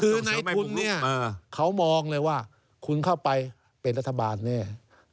คือในทุนเนี่ยเขามองเลยว่าคุณเข้าไปเป็นรัฐบาลแน่